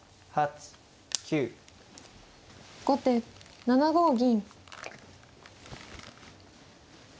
後手７五銀。